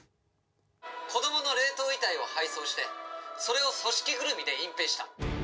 子供の冷凍遺体を配送して、それを組織ぐるみで隠蔽した。